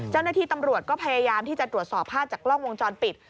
เจ้าหน้าที่ตำรวจก็พยายามที่จะตรวจสอบภาพจากกล้องวงจรปิด